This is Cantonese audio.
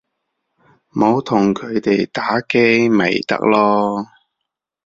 唔好同佢哋打機咪得囉